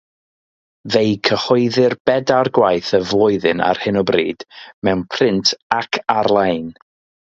Fe'i cyhoeddir bedair gwaith y flwyddyn ar hyn o bryd, mewn print ac ar-lein.